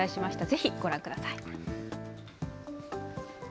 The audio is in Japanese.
ぜひご覧ください。